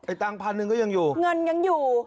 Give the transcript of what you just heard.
ตังค์พันหนึ่งก็ยังอยู่เงินยังอยู่